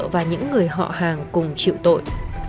và những người họ hàng cùng chịu tội